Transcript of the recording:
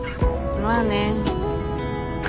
まあね。